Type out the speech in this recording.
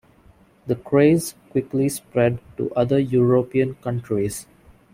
The craze quickly spread to other European countries.